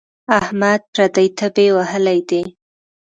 احمد پردۍ تبې وهلی دی.